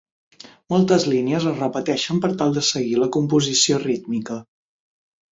Moltes línies es repeteixen per tal de seguir la composició rítmica.